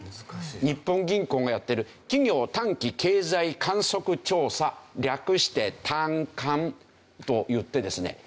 日本銀行がやってる企業短期経済観測調査略して短観といってですね